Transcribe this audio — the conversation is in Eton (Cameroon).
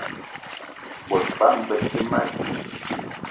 Bot bama be te ma ding.